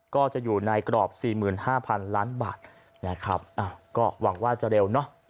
ก็จะอยู่ในกรอบ๔๕๐๐๐ล้านบาทนะครับก็หวังว่าจะเร็วเนอะ